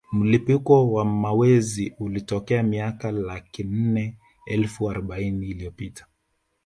Mlipuko wa mawenzi ulitokea miaka laki nne elfu aroubaini iliyopita